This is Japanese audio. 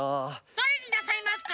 どれになさいますか？